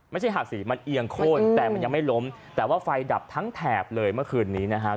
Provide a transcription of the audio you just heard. ไม่ใช่หักสิมันเอียงโค้นแต่มันยังไม่ล้มแต่ว่าไฟดับทั้งแถบเลยเมื่อคืนนี้นะฮะ